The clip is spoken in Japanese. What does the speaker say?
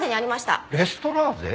レストラーゼ？